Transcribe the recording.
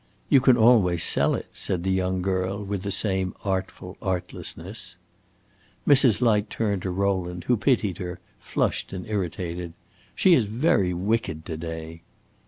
"You can always sell it," said the young girl, with the same artful artlessness. Mrs. Light turned to Rowland, who pitied her, flushed and irritated. "She is very wicked to day!"